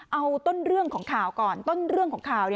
เอาต้นเรื่องของข่าวก่อนต้นเรื่องของข่าว